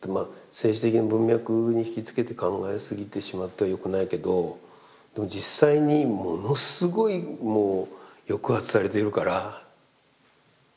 政治的な文脈に引き付けて考えすぎてしまっては良くないけどでも実際にものすごいもう抑圧されているから。